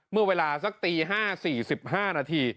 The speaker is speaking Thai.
เมื่อเวลาสักตี๕๔๕นาที